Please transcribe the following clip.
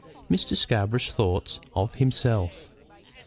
MR. SCARBOROUGH'S THOUGHTS OF HIMSELF.